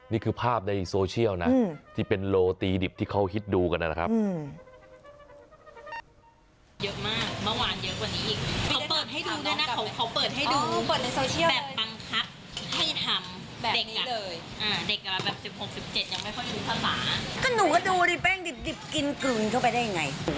นี่คือภาพในโซเชียลนะที่เป็นโลตีดิบที่เขาฮิตดูกันนะครับ